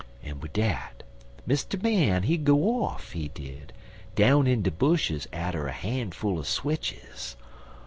"En wid dat, Mr. Man, he go off, he did, down in de bushes atter han'ful er switches.